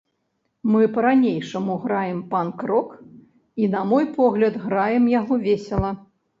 Мы па-ранейшаму граем панк-рок і, на мой погляд, граем яго весела.